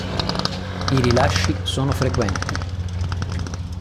I rilasci sono frequenti.